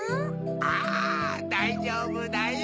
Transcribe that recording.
ああだいじょうぶだよ。